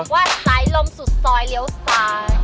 ว่าสายลมสุดซอยเลี้ยวซ้าย